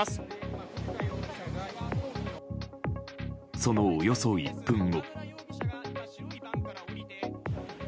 そのおよそ１分後。